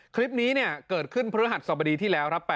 คลิปนี้เกิดขึ้นพฤหัสสบดีที่แล้วครับ